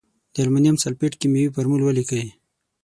د المونیم سلفیټ کیمیاوي فورمول ولیکئ.